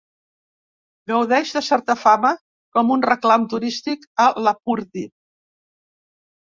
Gaudeix de certa fama com un reclam turístic a Lapurdi.